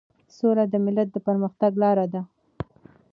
سوله د ملت د پرمختګ لار ده.